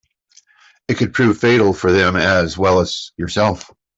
It could prove fatal for them as well as yourself.